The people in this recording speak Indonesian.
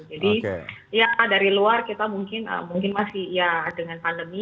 jadi ya dari luar kita mungkin masih ya dengan pandemi